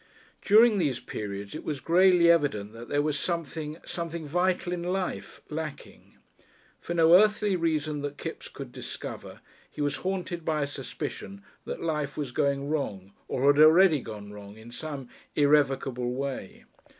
During these periods it was greyly evident that there was something, something vital in life, lacking. For no earthly reason that Kipps could discover, he was haunted by a suspicion that life was going wrong or had already gone wrong in some irrevocable way.